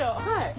はい。